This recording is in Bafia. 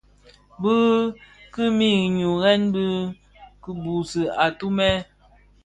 Bi kilmi nhyughèn dhi kibuusi atumè.